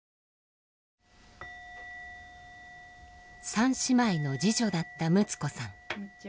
３姉妹の次女だった睦子さん。